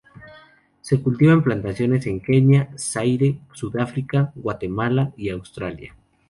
Se cultiva en plantaciones en Kenia, Zaire, Sudáfrica, Guatemala y Australia.